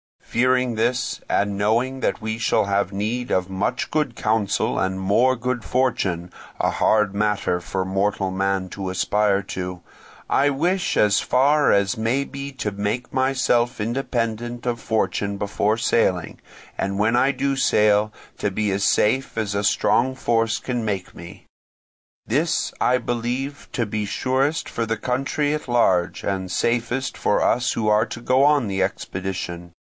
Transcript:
Fearing this, and knowing that we shall have need of much good counsel and more good fortune—a hard matter for mortal man to aspire to—I wish as far as may be to make myself independent of fortune before sailing, and when I do sail, to be as safe as a strong force can make me. This I believe to be surest for the country at large, and safest for us who are to go on the expedition.